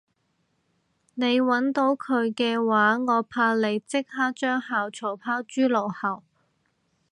你搵到佢嘅話我怕你即刻將校草拋諸腦後